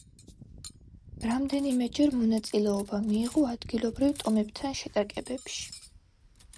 რამდენიმეჯერ მონაწილეობა მიიღო ადგილობრივ ტომებთან შეტაკებებში.